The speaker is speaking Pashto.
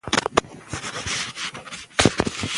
دا اصل منل کېږي.